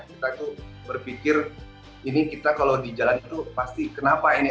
kita tuh berpikir ini kita kalau di jalan itu pasti kenapa ini